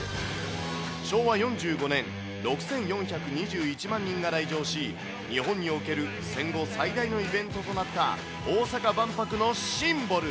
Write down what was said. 昭和４５年、６４２１万人が来場し、日本における戦後最大のイベントとなった、大阪万博のシンボル。